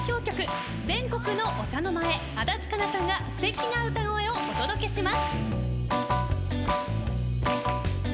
全国のお茶の間へ足立佳奈さんがすてきな歌声をお届けします。